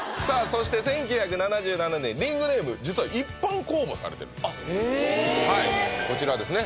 そして１９７７年リングネーム実は一般公募されてるこちらですね